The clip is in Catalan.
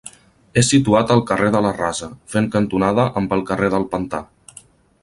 És situat al carrer de la Rasa, fent cantonada amb el carrer del Pantà.